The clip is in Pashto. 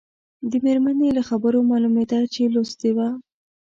د مېرمنې له خبرو معلومېده چې لوستې وه.